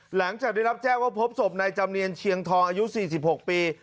หลังจากได้รับแจ้งว่าพบศพนายจำเนียนเชียงทองอายุ๔๖ปี